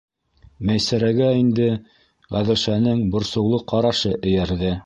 Мәйсәрәгә инде Ғәҙелшаның борсоулы ҡарашы эйәрҙе.